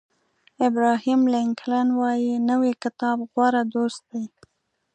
ابراهیم لینکلن وایي نوی کتاب غوره دوست دی.